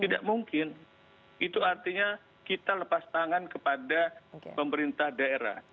tidak mungkin itu artinya kita lepas tangan kepada pemerintah daerah